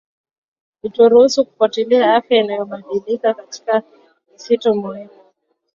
ituruhusu kufuatilia afya inayobadilika katika misitu muhimu